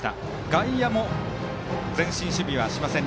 外野、前進守備はしません。